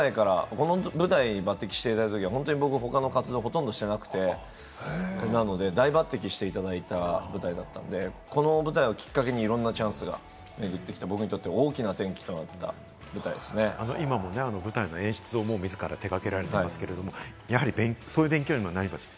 この舞台に抜てきしていただいたとき、他の活動をほとんどしていなくて、大抜てきしていただいた舞台だったんで、この舞台をきっかけにいろんなチャンスが巡ってきて、僕にとって今も舞台の演出を自ら手がけられたりと、そういう勉強にもなりました？